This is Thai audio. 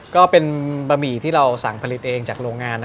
ก็เป็นบะหมี่ที่เราสั่งผลิตเองจากโรงงาน